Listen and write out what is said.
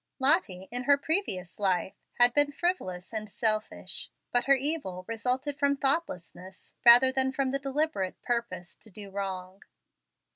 Lottie, in her previous life, had been frivolous and selfish; but her evil resulted from thoughtlessness, rather than from the deliberate purpose to do wrong.